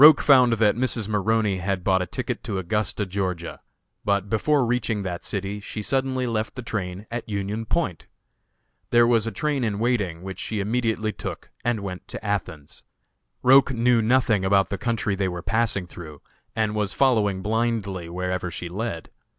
Roch found that Mrs. Maroney had bought a ticket to Augusta, Ga.; but before reaching that city, she suddenly left the train at Union Point. There was a train in waiting, which she immediately took, and went to Athens. Roch knew nothing about the country they were passing through, and was following blindly wherever she led.